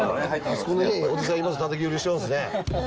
あそこおじさんたたき売りしてますね。